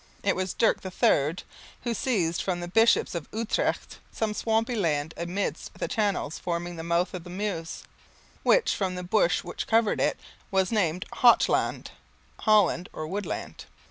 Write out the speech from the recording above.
It was Dirk III who seized from the bishops of Utrecht some swampy land amidst the channels forming the mouth of the Meuse, which, from the bush which covered it, was named Holt land (Holland or Wood land).